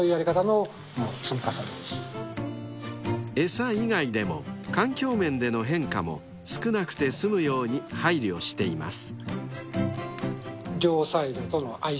［餌以外でも環境面での変化も少なくてすむように配慮しています］